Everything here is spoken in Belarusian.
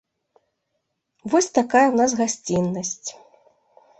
Вось такая ў нас гасціннасць.